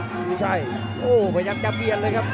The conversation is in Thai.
กิฟตีชายอย่างกลับเรียนค่ะ